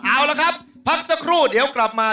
เอาละครับพักสักครู่เดี๋ยวกลับมา